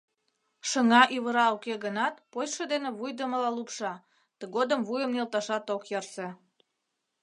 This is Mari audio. Шыҥа-ӱвыра уке гынат, почшо дене вуйдымыла лупша, тыгодым вуйым нӧлталашат ок ярсе...